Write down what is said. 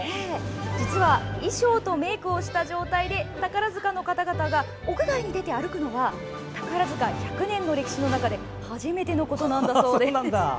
実は衣装とメイクをした状態で宝塚の方々が屋外に出て歩くのは宝塚１００年の歴史の中で初めてのことなんだそうです。